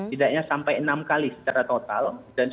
tidaknya sampai enam kali secara total